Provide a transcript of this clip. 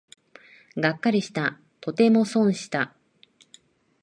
がっかりした、とても損した